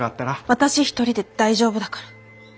私一人で大丈夫だから。